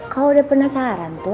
kalo udah penasaran tuh